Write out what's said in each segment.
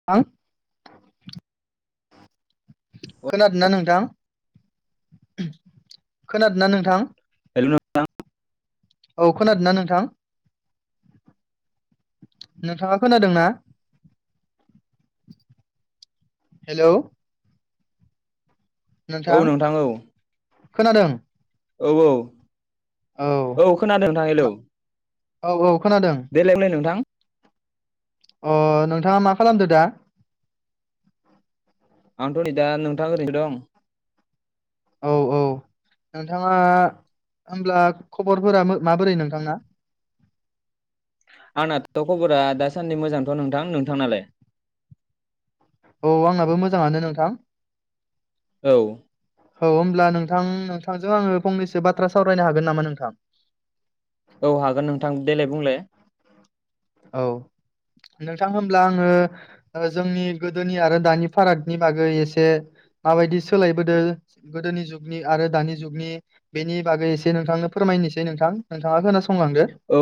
[unintelligible] खोनादोंना नोंथां खोनादोंना नोंथां? हेल' नोंथां औ खोनादों ना नोंथां? नोंथाङा खोनादों ना? हेलौ औ नोंथां औ खोनादों औ औ औ खोनादों नोंथां हेलौ औ औ खोनादों देलाय बुंलाय नोंथां। अ नोंथाङा मा खालामदो दा? आंथ' नै दा नोंथां ओरैनो दं। औ औ नोंथाङा होमब्ला खबरफोरा माबोरै नोंथांना? आंनाथ' खबरा दासान्दि मोजांथ' नोंथां नोंथांनालाय? औ आंनाबो मोजाङानो नोंथां। औ औ होमब्ला नोंथां नोंथांजों आङो फंनैसो बाथ्रा सावरायनो हागोन नामा नोंथां? औ हागोन नोंथां देलाय बुंलाय औ नोंथां होनब्ला आङो जोंनि गोदोनि आरो दानि फारागनि बागै एसे माबायदि सोलायबोदों गोदोनि जुगनि आरो दानि जुगनि बेनि बागै एसे नोंथांनो फोरमायनोसै नोंथां नोंथाङा खोनासंलांदो औ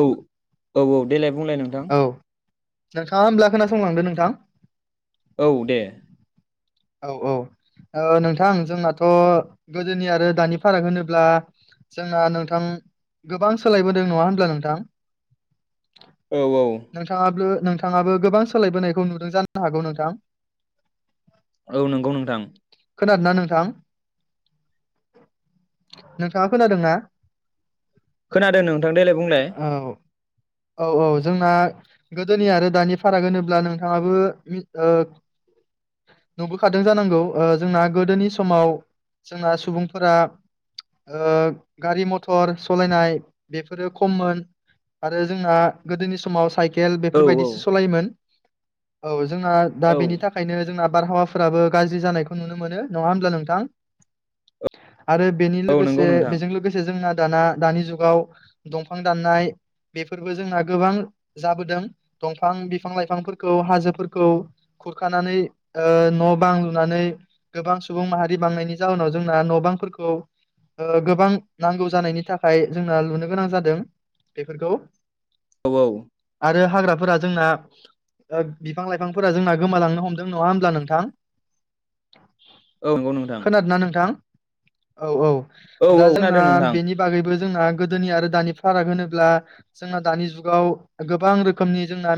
औ औ देलाय बुंलाय नोंथां औ नोंथाङा होमब्ला खोनासंलांदो नोंथां। औ दे औ-औ नोंथां जोंनाथ' गोदोनि आरो दानि फाराग होनोब्ला जोंना नोंथां गोबां सोलायबोदों नङा होनब्ला नोंथां? औ औ। नोंथाङाबो नोंथाङाबो गोबां सोलायबोनायखौ नुदों जानो हागौ नोंथां। औ नंगौ नोंथां। खोनादोंना नोंथां? नोंथाङा खोनादोंना? खोनादों नोंथां देेलाय बुंलाय औ औ औ जोंना गोदोनि आरो दानि फाराग होनोब्ला नोंथाङाबो नुबोखादों जानांगौ जोंना गोदोनि समाव जोंना सुबुंफोरा गारि मथर सालायनाय बेफोरो खममोन आरो जोंना गोदोनि समाव साइकेल औ औ बेफोरबायदिसो सालायोमोन। औ, जोंना दा औ बेनि थाखाय बेनि ओंखायनो जोंना आबहावाफोराबो गाज्रि जानायखौ नुनो मोनो नङा होमब्ला नोंथां? आरो बेनि औ नंगौ लोगोसे नोंथां बेजों लोगोसे जोंना दाना दानि जुगाव दंफां दाननाय बेफोरबो जोंना गोबां जाबोदों दंफां बिफां लाइफांफोरखौ हाजोफोरखौ खुरखानानै ओ न' बां लुनानै गोबां सुबुं माहारि बांनायनि जाहोनाव जोंना न' बांफोरखौ गोबां नांगौ जानायनि थाखाय जोंना लुनो गोनां जादों बेफोरखौ। औ औ। आरो हाग्राफोरा जोंना बिफां लाइफांफोरा जोंना गोमालांनो हमदों, नङा होमब्ला नोंथां? औ नंगौ नोंथां। ना नोंथां, औ औ औ औ दा जोंना खोनादों नोंथां बेनि बागैबो जोंना गोदोनि आरो दानि फाराग होनोब्ला जोंना दानि जुग आव गोबां रोखोमनि जोंना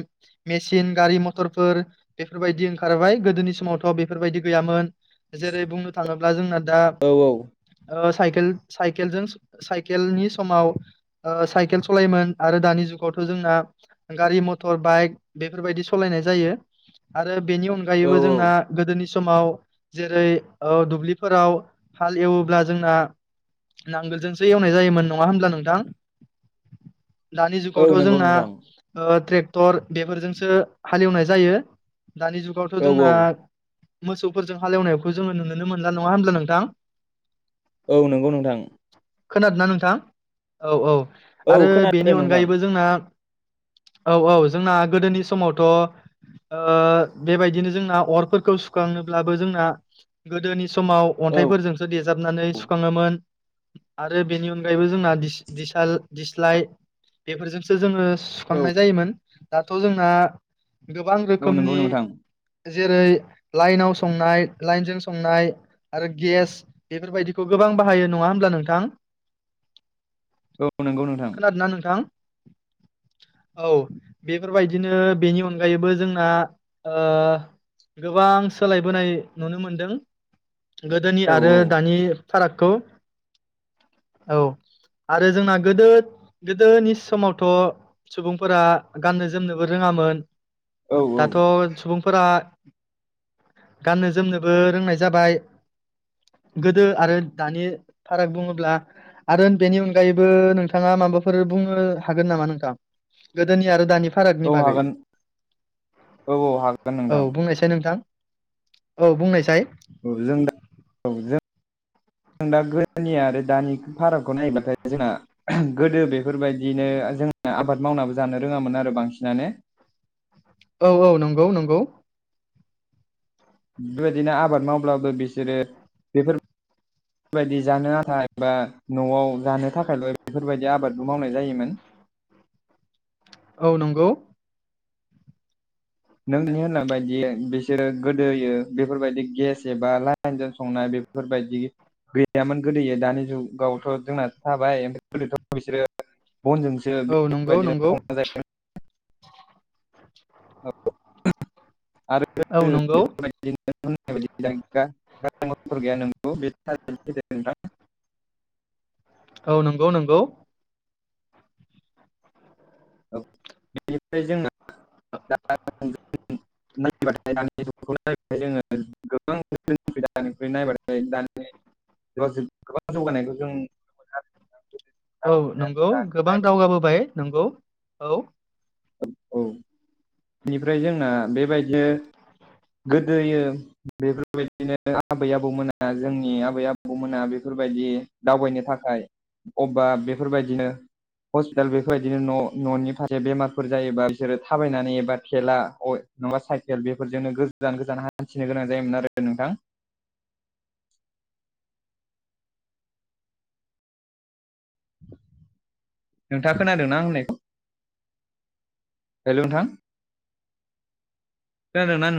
मेचिन गारि मथरफोर बेफोरबायदि ओंखारबाय, गोदोनि समावथ' बेफोरबायदि गैयामोन। जेरै बुंनो थाङोब्ला जोंना दा औ औ साइकेल साइकेलजों साइकेलनि समाव साइकेल सालायोमोन आरो दानि जुग आवथ' जोंना गारि मथर बाइक बेफोरबायदि सालायनाय जायो। आरो बेनि औ अनगायैबो औ जोंना गोदोनि सम समाव जेरै दुब्लिफोराव हाल एवोब्ला जोंना नांगोलजोंसो एवनाय जायोमोन, नङा होनब्ला नोंथां? दानि जुग औ आवथ' नंगौ जोंना नोंथां ट्रेक्टर बेफोरजोंसो हालेवनाय जायो दानि जु गावथ' औ जोंना औ मोसौफोरजों हालेवनायखौ जोङो नुनो मोनला, नङा होनब्ला नोंथां? औ नंगौ नोंथां। खोनादोंना नोंथां? औ औ औ आरो खोनादों बेनि नोंथां अनगायैबो जोंना औ औ जोंना गोदोनि समावथ' बेबायदिनो जोंना अरफोरखौ सुखांनोब्लाबो जोंना गोदोनि समाव औ अन्थाइफोरजोंसो देेजाबनानै सुखाङोमोन आरो बेनि अनगायैबो जोंना दिस दिसाल दिस्लाय बेफोरजोंसो जोङो औ सुखांनाय जायोमोन। दाथ' जोंना गोबां औ नंगौ रोखोमनि नोंथां जेरै लाइनाव संनाय लाइनजों संनाय आरो गेस बेफोरबायदिखौ गोबां बाहायो नङा होमब्ला नोंथां? औ नंगौ नोंथां। खोनादोंना नोंथां? औ बेफोरबायदिनो बेनि अनगायैबो जोंना ओ गोबां सोलायबोनाय नुनो मोनदों गोदोनि औ आरो औ दानि फारागखौ औ, आरो जोंना गोदो गोदोनि समावथ' सुबुंफोरा गाननो जोमनोबो रोङामोन। औ औ दाथ' सुबुंफोरा। गाननो जोमनोबो रोंनाय जाबाय। गोदो आरो दानि फाराग बुङोब्ला आरो बेनि अनगायैबो नोंथाङा माबाफोर बुङो हागोन नामा नोंथां गोदोनि आरो दानि औ फारागनि बागै। हागोन औ औ हागोन औ नोंथां बुंनायसाय नोंथां। औ बुंनायसाय। [unintelligible] जों दा गोदोनि आरो दानि फारागखौ नायोब्लाथाय जोंना गोदो बेफोरबायदिनो जों आबाद मावनाबो जानो रोङामोन आरो बांसिनानो। औ औ नंगौ नंगौ। बेबायदिनो आबाद मावब्लाबो बिसोरो बेफोर। बेफोरबायदि जानो [unintelligible] एबा न'आव जानो थाखायल' बेफोरबायदि आबादबो मावनाय जायोमोन। औ नंगौ। नोंनि होननाय बायदि बिसोरो गोदोयो बेफोरबायदि गेस एबा लाइ नजों संनाय बेफोरबायदि गैयामोन गोदोयो दानि जुगावथ' जोंना थाबाय ओमफ्राय गोदोथ' बिसोरो बनजों औ नंगौ बेफोरबायदिनो नंगौ संना जायो जायोमोन औ नंगौ [unintelligible] [unintelligible] [unintelligible] औ नोंगौ नोंगौ। बेनिफ्राय जोङो [unintelligible] नायबाथाय दानि नायाथाय जोङो गोबां सुबिदा नायबाथाय दानि। [unintelligible] गोबां जौगानायखौ जों औ नोंगौ गोबां दावगाबोबाय नोंगौ औ। [unintelligible] औ। बेनिफ्राय जोंना बेबायदिनो गोदोयो बेफोरबायदिनो आबै आबौमोना जोंनि आबै आबौमोना बेफोरबायदि दावबायनो थाखाय अबेबा बेफोरबायदिनो। हस्पिटाल बेफोरबायदिनो न' न'नि फारसे बेमारफोर जायोबा बिसोरो थाबायनानै बा थेला अ नङाबा साइकेल बेफोरजोंनो गोजान गोजान हान्थिनो गोनां जायोमोन आरो नोंथां। नोंथाङा खोनादोंना आं होननायखौ? हेलौ नोंथां खोनादों ना नोंथां?